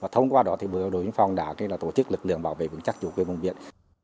thông qua đó bộ đội biên phòng đã tổ chức lực lượng bảo vệ vững chắc chủ quyền vùng biển